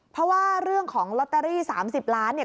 เพราะว่าเรื่องของลอตเตอรี่๓๐ล้านเนี่ย